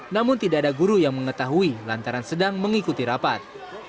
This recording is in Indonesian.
namun tidak ada guru yang mengetahui lantaran sedang mengikuti rapat